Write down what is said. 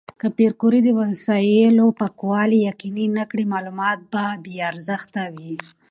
که پېیر کوري د وسایلو پاکوالي یقیني نه کړي، معلومات به بې ارزښته وي.